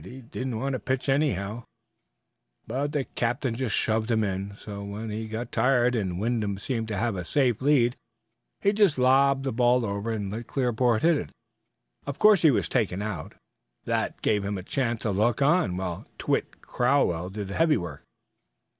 He didn't want to pitch anyhow, but the captain just shoved him in; so when he got tired and Wyndham seemed to have a safe lead, he just lobbed the ball over and let Clearport hit. Of course he was taken out, and that gave him a chance to look on while Twitt Crowell did the heavy work."